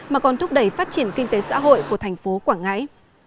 mà còn thúc đẩy phát triển kinh tế xã hội của thành phố quảng ngãi